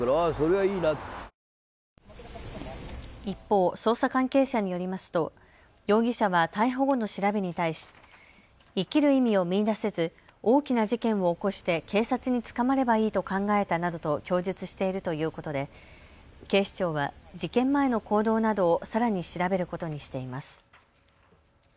一方、捜査関係者によりますと容疑者は逮捕後の調べに対し生きる意味を見いだせず大きな事件を起こして警察に捕まればいいと考えたなどと供述しているということで警視庁は事件前の行動などをさらに調べることにしています。